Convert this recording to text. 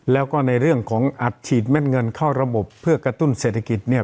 แล้วก็ในเรื่องของอัดฉีดแม่นเงินเข้าระบบเพื่อกระตุ้นเศรษฐกิจเนี่ย